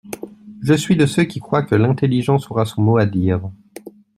Je suis de ceux qui croient que l’intelligence aura son mot à dire.